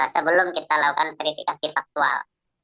sebelum kita lakukan verifikasi faktual